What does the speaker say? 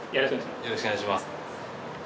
よろしくお願いします。